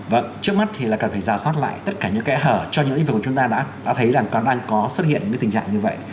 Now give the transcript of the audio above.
vâng trước mắt thì là cần phải ra soát lại tất cả những kẽ hở cho những lý do của chúng ta đã thấy là có xuất hiện những tình trạng như vậy